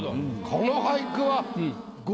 この俳句は。